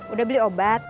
udah beli obat